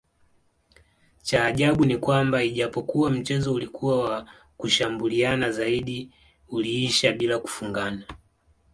Cha ajabu ni kwamba ijapokua mchezo ulikua wa kushambuliana zaidi uliisha bila kufungana